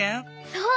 そう！